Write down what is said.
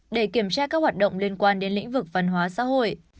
để kiểm tra các hoạt động liên quan đến lĩnh vực văn hóa xã hội